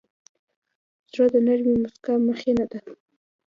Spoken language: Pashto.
زړه د نرمې موسکا مخینه ده.